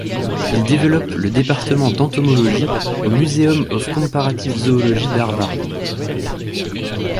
Il développe le département d’entomologie au Museum of Comparative Zoology d’Harvard.